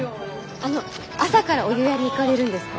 あの朝からお湯屋に行かれるんですか？